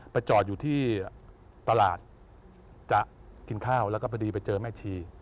จอดอยู่ที่ตลาดจะกินข้าวแล้วก็พอดีไปเจอแม่ชี